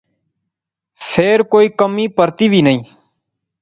فیر کوئِی کمی پرتی وی نئیں